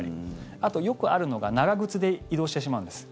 あと、よくあるのが長靴で移動してしまうんです。